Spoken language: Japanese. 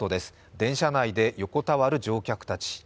電車内で横たわる乗客たち。